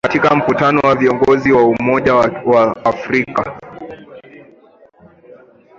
katika mkutano wa viongozi wa umoja wa afrika